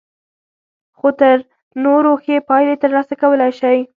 خو تر نورو ښې پايلې ترلاسه کولای شئ.